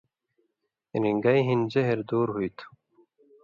رِنگَیں ہِن زہر دُور ہُوئ تُھو۔